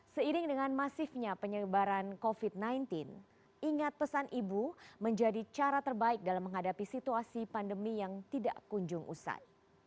seiring dengan masifnya penyebaran covid sembilan belas ingat pesan ibu menjadi cara terbaik dalam menghadapi situasi pandemi yang tidak kunjung usai